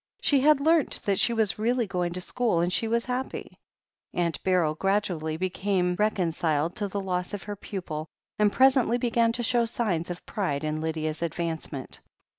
She had learnt that she was really going to school, and she was happy. Aunt Beryl gradually became reconciled to the loss of her pupil, and presently began to show signs of pride in Lydia's advancement.